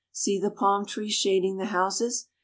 See the palm trees shading the houses.